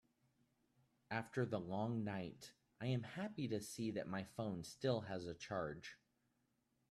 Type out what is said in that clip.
After the long night, I am happy to see that my phone still has a charge.